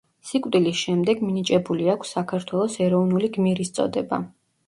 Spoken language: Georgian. სიკვდილის შემდეგ მინიჭებული აქვს საქართველოს ეროვნული გმირის წოდება.